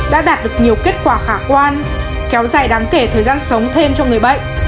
đã đạt được nhiều kết quả khả quan kéo dài đáng kể thời gian sống thêm cho người bệnh